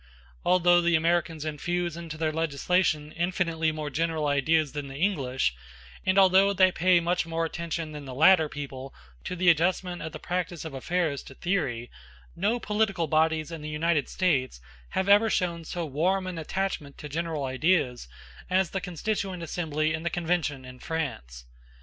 Although the Americans infuse into their legislation infinitely more general ideas than the English, and although they pay much more attention than the latter people to the adjustment of the practice of affairs to theory, no political bodies in the United States have ever shown so warm an attachment to general ideas as the Constituent Assembly and the Convention in France.